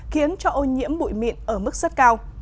khiến cho ô nhiễm bụi mịn ở mức rất cao